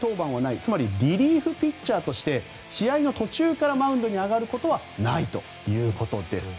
つまりリリーフピッチャーとして試合の途中からマウンドに上がることはないということです。